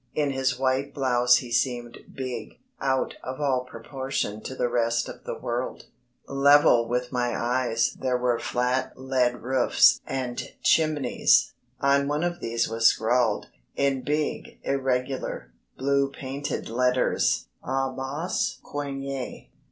In his white blouse he seemed big, out of all proportion to the rest of the world. Level with my eyes there were flat lead roofs and chimneys. On one of these was scrawled, in big, irregular, blue painted letters: "A bas Coignet."